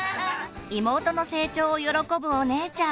妹の成長を喜ぶお姉ちゃん。